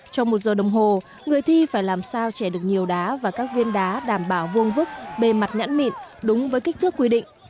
trong một giờ đồng hồ người thi phải làm sao trẻ được nhiều đá và các viên đá đảm bảo vuông vức bề mặt nhẫn mịn đúng với kích thước quy định